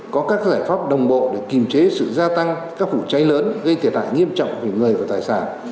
có các giải pháp đồng bộ để kiềm chế sự gia tăng các vụ cháy lớn gây thiệt hại nghiêm trọng về người và tài sản